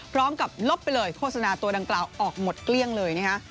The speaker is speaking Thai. ลบไปเลยโฆษณาตัวดังกล่าวออกหมดเกลี้ยงเลยนะฮะ